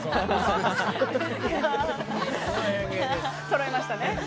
そろいましたね。